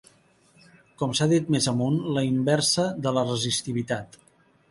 Com s'ha dit més amunt, la inversa de la resistivitat.